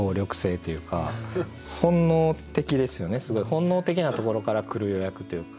本能的なところから来る予約というか。